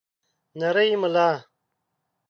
نرۍ ملا